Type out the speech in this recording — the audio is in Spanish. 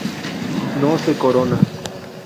No se corona.